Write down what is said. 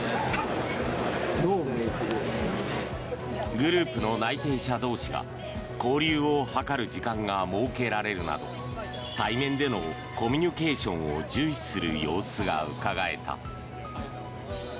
グループの内定者同士が交流を図る時間が設けられるなど対面でのコミュニケーションを重視する様子がうかがえた。